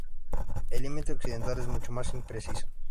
El límite occidental es mucho más impreciso.